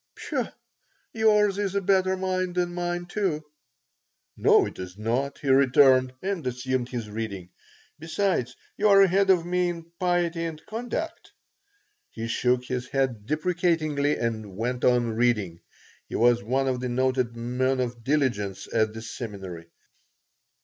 "Pshaw! Yours is a better mind than mine, too." "No, it is not," he returned, and resumed his reading. "Besides, you are ahead of me in piety and conduct." He shook his head deprecatingly and went on reading. He was one of the noted "men of diligence" at the seminary.